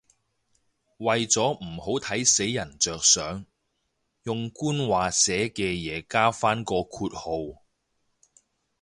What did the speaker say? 為咗唔好睇死人着想，用官話寫嘅嘢加返個括號